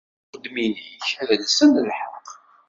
Lmuqeddmin-ik ad lsen lḥeqq.